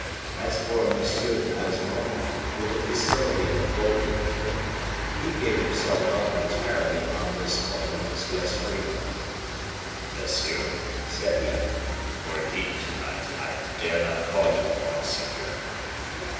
As for M. de Baisemeaux, with the facility of vulgar people, he gave himself up entirely upon this point of his guest's freedom. "Monsieur," said he, "for indeed to night I dare not call you monseigneur."